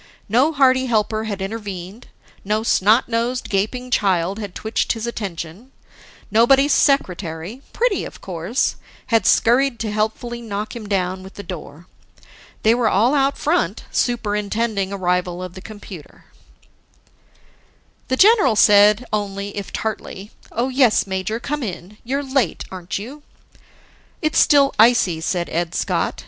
No hearty helper had intervened, no snot nosed, gaping child had twitched his attention, nobody's secretary pretty of course had scurried to helpfully knock him down with the door. They were all out front superintending arrival of the computer. The general said only, if tartly, "Oh yes, major, come in. You're late, a'n't you?" "It's still icy," said Ed Scott.